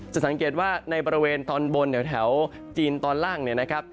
สังเกตว่าในบริเวณตอนบนแถวจีนตอนล่างเนี่ยนะครับ